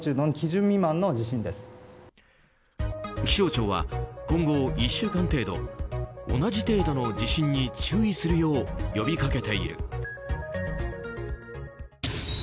気象庁は今後１週間程度同じ程度の地震に注意するよう呼びかけている。